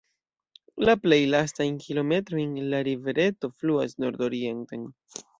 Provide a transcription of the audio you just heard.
La plej lastajn kilometrojn la rivereto fluas nordorienten.